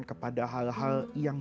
kepada hal hal yang